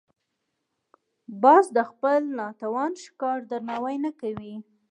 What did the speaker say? باز د خپل ناتوان ښکار درناوی نه کوي